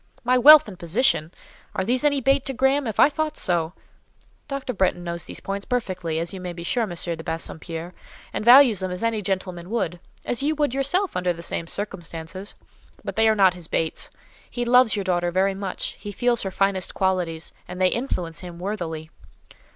"My wealth and position! Are these any bait to Graham? If I thought so——" "Dr. Bretton knows these points perfectly, as you may be sure, M. de Bassompierre, and values them as any gentleman would—as you would yourself, under the same circumstances—but they are not his baits. He loves your daughter very much; he feels her finest qualities, and they influence him worthily."